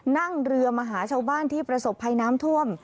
นั่งเรือมาหาชาวบ้านที่ประสบภัยน้ำท่วม